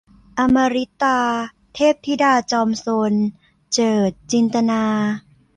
อมฤตาเทพธิดาจอมซน - เจิด จินตนา